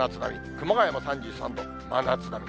熊谷も３３度、真夏並み。